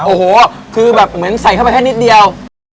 โอ้โหคือแบบเหมือนใส่เข้าไปแค่นิดเดียว